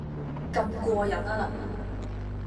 咁過癮吖嗱